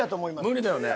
無理だよね。